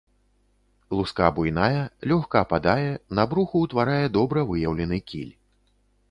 Луска буйная, лёгка ападае, на бруху ўтварае добра выяўлены кіль.